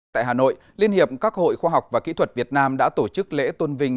tại hà nội liên hiệp các hội khoa học và kỹ thuật việt nam đã tổ chức lễ tôn vinh